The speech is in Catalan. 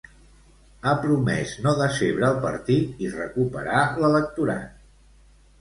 Ha promès no decebre el partit i recuperar l'electorat.